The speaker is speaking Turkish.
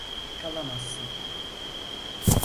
Kalamazsın.